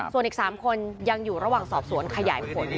ส่วนอีก๓คนยังอยู่ระหว่างสอบสวนขยายผล